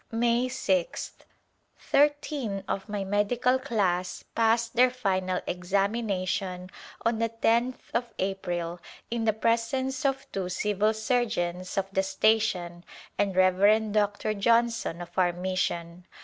May 6th. Thirteen of my medical class passed their final ex amination on the loth of April in the presence of two civil surgeons of the station and Rev. Dr. Johnson of our mission.